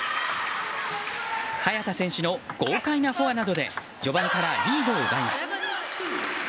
早田選手の豪快なフォアなどで序盤からリードを奪います。